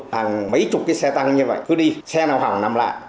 hàng mấy chục cái xe tăng như vậy cứ đi xe nào hỏng nằm lại